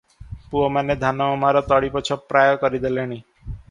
ପୁଅମାନ ଧାନଅମାର ତଳିପୋଛ ପ୍ରାୟ କରିଦେଲେଣି ।